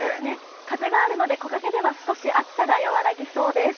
風があるので、木陰では少し暑さが和らぎそうです。